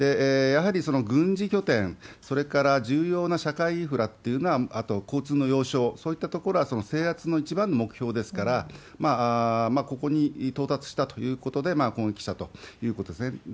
やはり軍事拠点、それから重要な社会インフラっていうのは、あと交通の要衝、そういった所は制圧の制圧の一番の目標ですから、ここに到達したということで、攻撃したということですね。